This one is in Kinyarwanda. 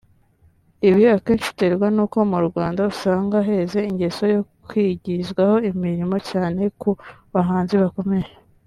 Ibi akenshi biterwa nuko mu Rwanda usanga heze ingeso yo kwigwizaho imirimo cyane ku bahanzi bakomeye